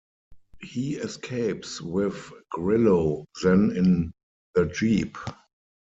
He escapes with Grillo then in the jeep.